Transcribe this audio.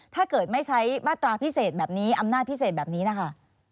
ถ้าเกิดไม่ใช้มาตราพิเศษแบบนี้อำนาจพิเศษแบบนี้นะคะ